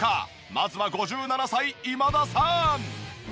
まずは５７歳今田さん。